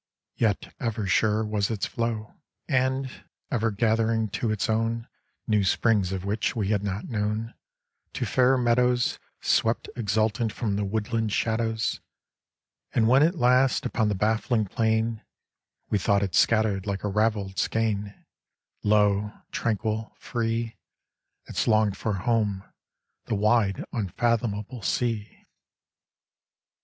Yet ever surer was its flow, And, ever gathering to its own New springs of which we had not known, To fairer meadows Swept exultant from the woodland shadows; And when at last upon the baffling plain We thought it scattered like a ravelled skein, Lo, tranquil, free, Its longed for home, the wide unfathomable sea!